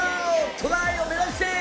トライを目指して